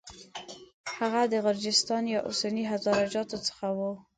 هغه د غرجستان یا اوسني هزاره جاتو څخه و.